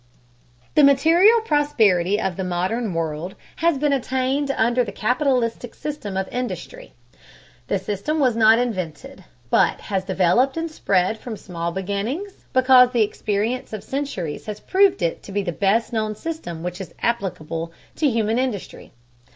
The material prosperity of the modern world has been attained under the capitalistic system of industry. The system was not invented, but has developed and spread from small beginnings because the experience of centuries has proved it to be the best known system which is applicable to human industry.